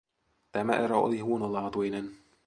Tämä erä oli huonolaatuinen.